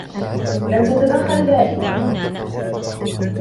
لم تتدخّل دائما؟